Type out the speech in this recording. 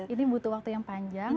ini butuh waktu yang panjang